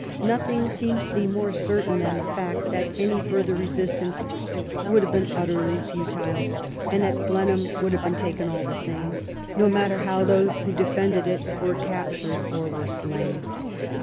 Nothing seems to be more certain than the fact that any further resistance would have been utterly futile and that Blen heim would have been taken all the same, no matter how those who defended it were captured or were slain.